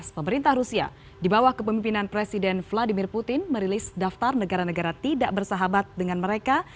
pemerintah rusia di bawah kepemimpinan presiden vladimir putin merilis daftar negara negara tidak bersahabat dengan mereka